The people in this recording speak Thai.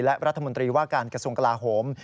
และรัฐมนตรีว่าการกระทรวงกลาโหม